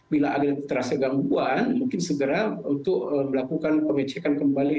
bila ada terasa gangguan mungkin segera untuk melakukan pengecekan kembali